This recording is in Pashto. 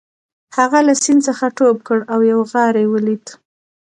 هغه له سیند څخه ټوپ کړ او یو غار یې ولید